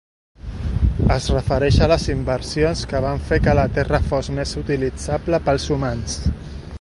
Es refereix a les inversions que van fer que la terra fos més utilitzable pels humans.